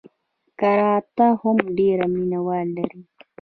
کراته هم ډېر مینه وال لري.